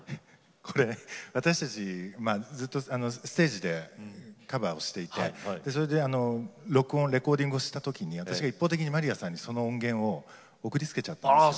これ私たちずっとステージでカバーをしていてそれでレコーディングをした時に私が一方的にまりやさんにその音源を送りつけちゃったんですよ。